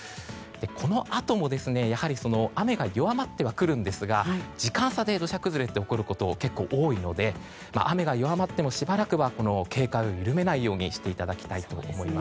このあとも雨が弱まってはくるんですが時間差で土砂崩れが起こることが結構、多いので雨が弱まってもしばらくは警戒を緩めないようにしていただきたいと思います。